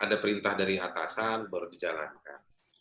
ada perintah dari atasan baru dijalankan